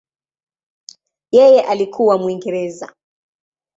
Yeye alikuwa Mwingereza.